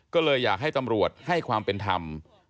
ก็เลยอยากให้ตำรวจให้ความเป็นธรรม